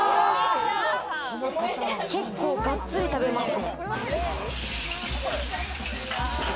結構がっつり食べますね。